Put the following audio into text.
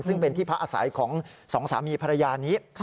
ซึ่งเป็นที่พักอาศัยของสองสามีภรรยานี้